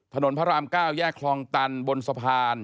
พระราม๙แยกคลองตันบนสะพาน